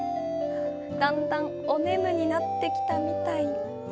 だんだんおねむになってきたみたい。